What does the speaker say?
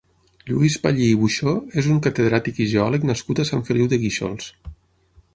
Lluís Pallí i Buxó és un catedràtic i geòleg nascut a Sant Feliu de Guíxols.